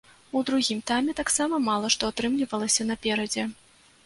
У другім тайме таксама мала што атрымлівалася наперадзе.